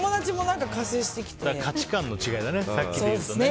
価値観の違いだね。